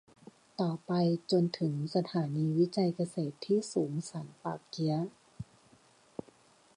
ต่อไปจนถึงสถานีวิจัยเกษตรที่สูงสันป่าเกี๊ยะ